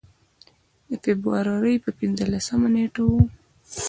د فبروري پر پنځلسمه نېټه و.